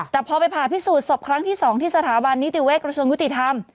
แต่พอไปผ่าพิสูจนศพครั้งที่๒ที่สถาบันนิติเวชกระทรวงยุติธรรม